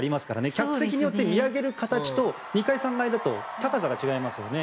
客席によって見上げる形と２階、３階だと高さが違いますよね。